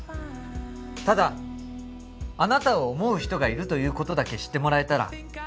ただあなたを思う人がいるということだけ知ってもらえたら